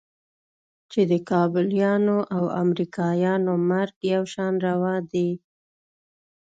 چې د کابليانو او امريکايانو مرګ يو شان روا دى.